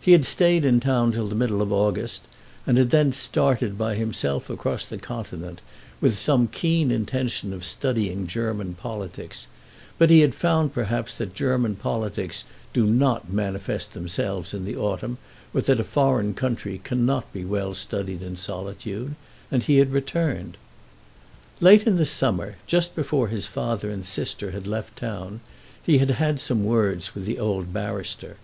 He had stayed in town till the middle of August, and had then started by himself across the continent with some keen intention of studying German politics; but he had found perhaps that German politics do not manifest themselves in the autumn, or that a foreign country cannot be well studied in solitude, and he had returned. Late in the summer, just before his father and sister had left town, he had had some words with the old barrister.